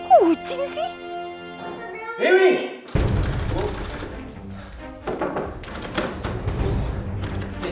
kau tanya gak ada sih